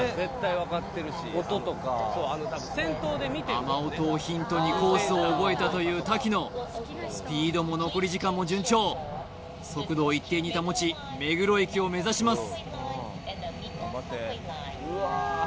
雨音をヒントにコースを覚えたという瀧野スピードも残り時間も順調速度を一定に保ち目黒駅を目指します